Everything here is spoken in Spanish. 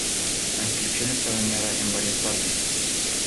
La inscripción está dañada en varias partes.